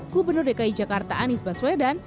gubernur dki jakarta anies baswedan